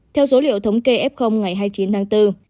theo số liệu thống kê f ngày hai mươi chín tháng bốn